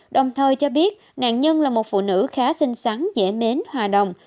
đồng thời cho biết nạn nhân là một phụ nữ khá xinh xắn dễ mến hòa đồng